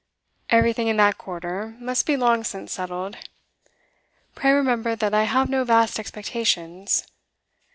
'Everything, in that quarter, must be long since settled. Pray remember that I have no vast expectations.